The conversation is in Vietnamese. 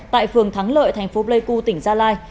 tại phường thắng lợi thành phố pleiku tỉnh gia lai